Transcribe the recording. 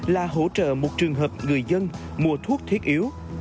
là hỗ trợ một trường hợp người dân mua thuốc thiết yếu